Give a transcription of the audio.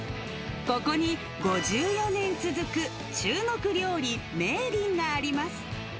ここに５４年続く中国料理、梅林があります。